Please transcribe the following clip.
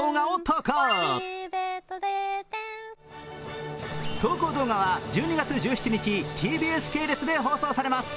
投稿動画は１２月１７日、ＴＢＳ系列で放送されます。